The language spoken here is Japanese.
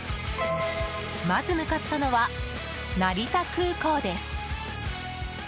まず向かったのは成田空港です。